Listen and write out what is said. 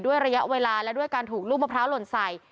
ระยะเวลาและด้วยการถูกลูกมะพร้าหล่นใส่